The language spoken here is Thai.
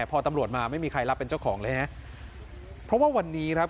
พอตำรวจมาไม่มีใครรับเป็นเจ้าของเลยฮะเพราะว่าวันนี้ครับ